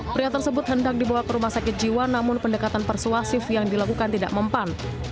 pria tersebut hendak dibawa ke rumah sakit jiwa namun pendekatan persuasif yang dilakukan tidak mempan